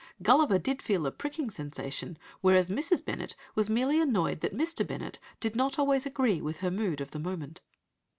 Gulliver did feel a pricking sensation, whereas Mrs. Bennet was merely annoyed that Mr. Bennet did not always agree with her mood of the moment.